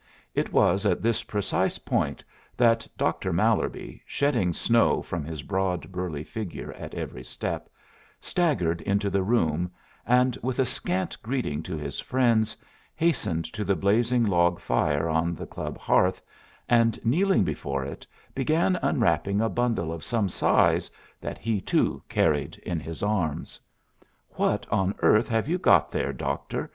It was at this precise point that Doctor Mallerby, shedding snow from his broad, burly figure at every step, staggered into the room, and, with a scant greeting to his friends, hastened to the blazing log fire on the club hearth, and kneeling before it, began unwrapping a bundle of some size that he, too, carried in his arms. "What on earth have you got there, doctor?"